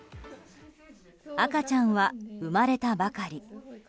赤ちゃんは生まれたばかり。